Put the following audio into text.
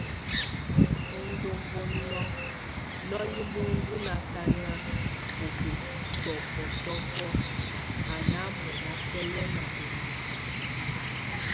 O ndobɔŋɔk nɔ́ye muendu nakan o betɔbɔtɔbɔk, a ná mona bɛlɛn o misi.